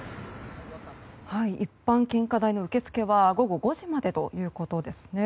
一般献花台の受け付けは午後５時までということです。